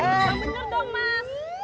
eh mau bener dong mas